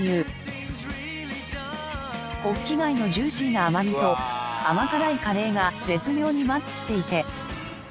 ホッキ貝のジューシーな甘みと甘辛いカレーが絶妙にマッチしていて。